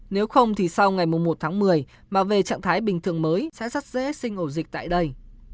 nếu không thì sau ngày một tháng một mươi mà về trạng thái bình thường mới sẽ rất dễ sinh ổ dịch tại đây